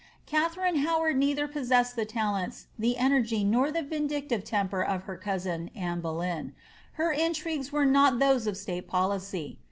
Katharine How ard neither possessed the talents, the energy, nor the vindictive temper of her cousin, Anne Boleyn: her intrigties were not those of state policy.